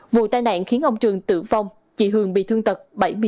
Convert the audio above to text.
vụ tai nạn khiến ông trường tử vong chị hường bị thương tật bảy mươi chín